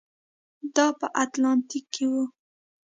دا په اتلانتیک کې و.